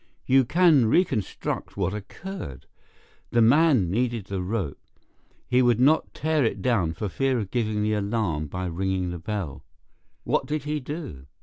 You can reconstruct what occurred. The man needed the rope. He would not tear it down for fear of giving the alarm by ringing the bell. What did he do?